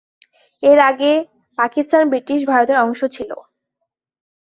এর আগে পাকিস্তান ব্রিটিশ ভারতের অংশ ছিল।